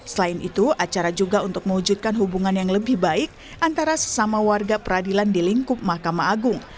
selain itu acara juga untuk mewujudkan hubungan yang lebih baik antara sesama warga peradilan di lingkup mahkamah agung